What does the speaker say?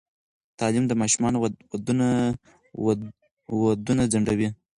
تعلیم د ماشومانو ودونه ځنډوي.